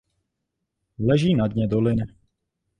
Leží na dně doliny.